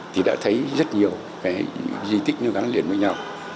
thì đã thấy rất nhiều cái di tích nó gắn liền với nhau